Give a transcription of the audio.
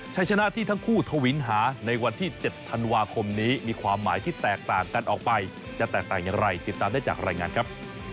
ชัยชนะที่ทั้งคู่ทวินหาในวันที่๗ธันวาคมนี้มีความหมายที่แตกต่างกันออกไปจะแตกต่างอย่างไรติดตามได้จากรายงานครับ